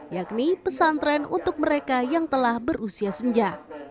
yakni pesantren untuk mereka yang telah berusia senja